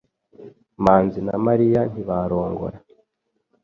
manzi na Mariya ntibarongora